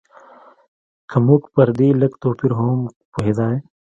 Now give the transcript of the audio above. که موږ پر دې لږ توپیر هم پوهېدای.